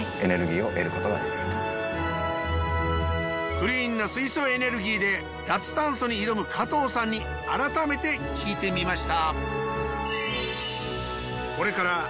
クリーンな水素エネルギーで脱炭素に挑む加藤さんに改めて聞いてみました。